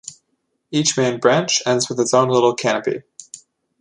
Each main branch ends with its own little canopy.